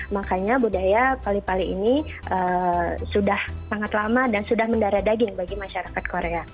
makanya budaya kalipali ini sudah sangat lama dan sudah mendara daging bagi masyarakat korea